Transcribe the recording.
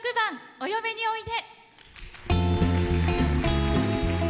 「お嫁においで」。